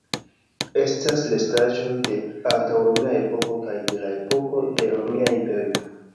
Estas restaĵoj de antaŭromia epoko kaj de la epoko de Romia Imperio.